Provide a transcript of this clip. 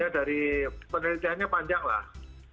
ya dari penelitiannya panjang lah